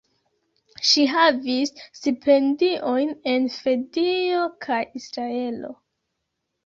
Ŝi havis stipendiojn en Svedio kaj Israelo.